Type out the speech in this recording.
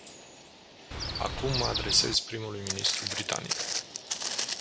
Acum mă adresez primului ministru britanic.